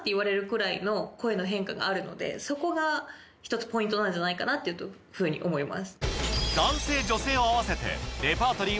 があるのでそこが１つポイントなんじゃないかなというふうに思います。